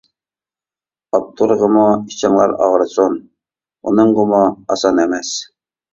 ئاپتورغىمۇ ئىچىڭلار ئاغرىسۇن، ئۇنىڭغىمۇ ئاسان ئەمەس!